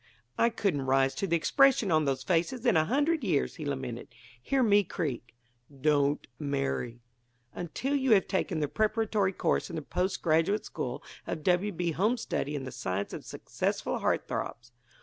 "I couldn't rise to the expression on those faces in a hundred years!" he lamented. "Hear me creak:" DON'T MARRY until you have taken the Preparatory Course in the Post Graduate School of W. B. Home Study in the Science of Successful Heart Throbs.